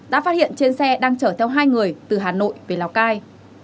đã phát hiện trên xe đang chở theo hai người từ hà nội về lào cai